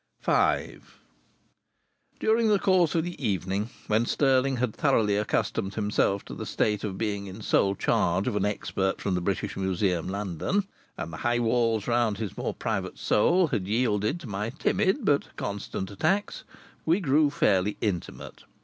V During the course of the evening, when Stirling had thoroughly accustomed himself to the state of being in sole charge of an expert from the British Museum, London, and the high walls round his more private soul had yielded to my timid but constant attacks, we grew fairly intimate.